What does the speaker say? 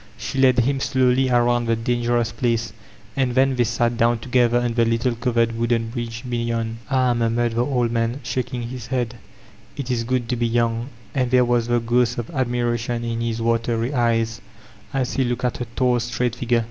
She led him slowly around the dangerous place, and then they sat down together on the little covered wooden bridge beyond ''Ah t^ murmured the old man, shaking his head, "it is good to be young/* And there was the ghost of ad miration in his watery eyes, as he k>oked at her tall straight figure.